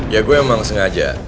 ya gue emang sengaja